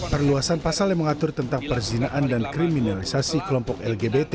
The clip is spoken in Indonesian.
perluasan pasal yang mengatur tentang perzinaan dan kriminalisasi kelompok lgbt